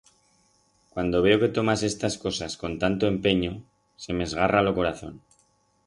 Cuando veo que tomas estas cosas con tanto empenyo, se m'esgarra lo corazón.